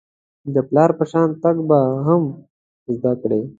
د پلار په شان تګ به هم زده کړئ .